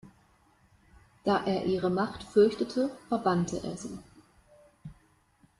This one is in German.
Da er ihre Macht fürchtete, verbannte er sie.